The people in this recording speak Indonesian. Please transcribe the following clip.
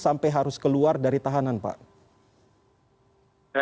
sampai harus keluar dari tahanan pak